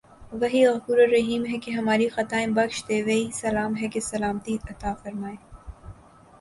وہی غفورالرحیم ہے کہ ہماری خطائیں بخش دے وہی سلام ہے کہ سلامتی عطافرمائے